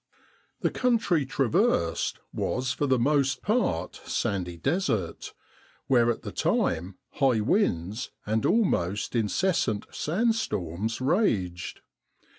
The country traversed was for the most part sandy desert, where at the time high winds and almost incessant sandstorms raged.